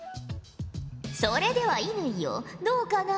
それでは乾よどうかな？